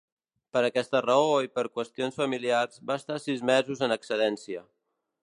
Per aquesta raó i per qüestions familiars, va estar sis mesos en excedència.